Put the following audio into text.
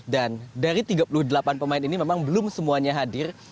dan dari tiga puluh delapan pemain ini memang belum semuanya hadir